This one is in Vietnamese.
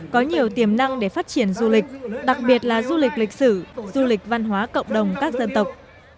có nhiều tiềm năng để phát triển du lịch đặc biệt là du lịch lịch sử du lịch văn hóa cộng đồng các dân tộc